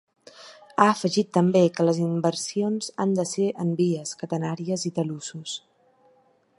Ha afegit també que les inversions han de ser en vies, catenàries i talussos.